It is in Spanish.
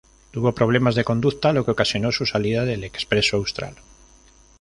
Tuvo problemas de conducta lo que ocasionó su salida del "Expreso Austral".